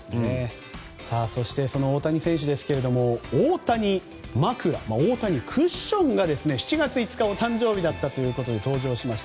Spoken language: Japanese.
そして大谷選手ですがオオタニ枕オオタニクッションが７月５日、お誕生日だったということで登場しました。